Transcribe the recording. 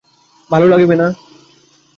ভালো লাগিবে না!